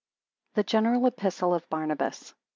] THE GENERAL EPISTLE OF BARNABAS.